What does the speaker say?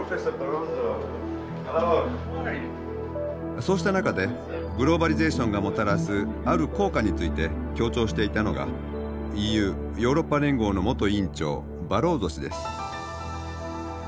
そうした中でグローバリゼーションがもたらすある効果について強調していたのがＥＵヨーロッパ連合の元委員長バローゾ氏です。